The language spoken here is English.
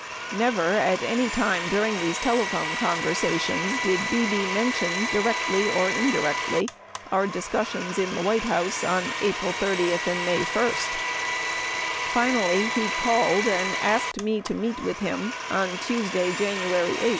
Never at any time during these telephone conversations did Bebe mention di rectly or indirectly our discussions in the White House on April 30, May 1. And finally he called and asked me to meet with him on Tuesday, January 8.